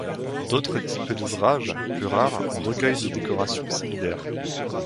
D'autres types d'ouvrages, plus rares, recueillent des décorations similaires.